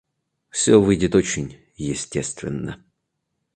Все выйдет очень естественно.